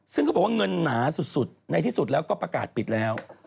ซึ่งเขาบอกว่าเงินหนาสุดในที่สุดแล้วก็ประกาศปิดแล้ว